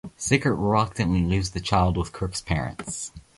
Sickert reluctantly leaves the child with Crook's parents.